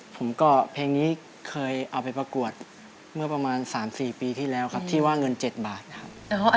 ผมก็เพลงนี้เคยเอาไปประกวดเมื่อประมาณ๓๔ปีที่แล้วครับที่ว่าเงิน๗บาทนะครับ